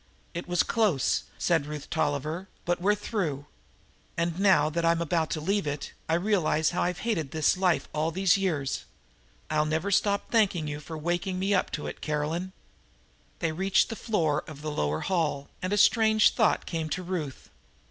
"It was close," said Ruth Tolliver, "but we're through. And, now that I'm about to leave it, I realize how I've hated this life all these years. I'll never stop thanking you for waking me up to it, Caroline." They reached the floor of the lower hall, and a strange thought came to Ruth.